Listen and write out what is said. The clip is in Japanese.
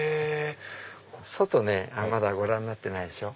外まだご覧になってないでしょ。